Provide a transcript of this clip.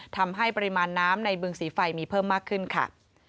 ทำให้ปริมาณน้ำในบึงสีไฟมีเพิ่มมากขึ้นค่ะ